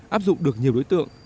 áp dụng được nhiều đối tượng